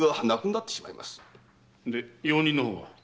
で用人の方は？